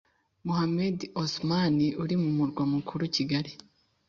mohamed osman uri mu murwa mukuru kigali